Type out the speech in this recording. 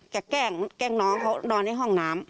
แกล้งน้องเขานอนในห้องน้ำ